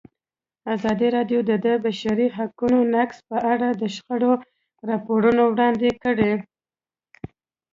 ازادي راډیو د د بشري حقونو نقض په اړه د شخړو راپورونه وړاندې کړي.